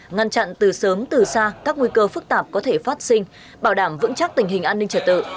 ngăn chặn từ sớm từ xa các nguy cơ phức tạp có thể phát sinh bảo đảm vững chắc tình hình an ninh trật tự